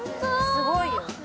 すごいよ。